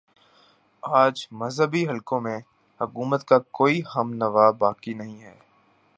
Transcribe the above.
آج مذہبی حلقوں میں حکومت کا کوئی ہم نوا باقی نہیں ہے